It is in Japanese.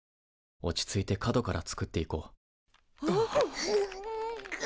落ち着いて角から作っていこう。